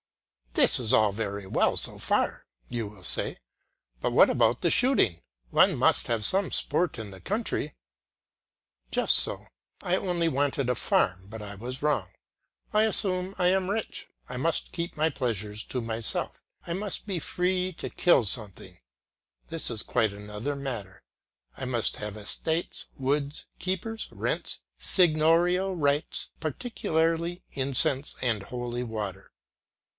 "This is all very well so far," you will say, "but what about the shooting! One must have some sport in the country." Just so; I only wanted a farm, but I was wrong. I assume I am rich, I must keep my pleasures to myself, I must be free to kill something; this is quite another matter. I must have estates, woods, keepers, rents, seignorial rights, particularly incense and holy water.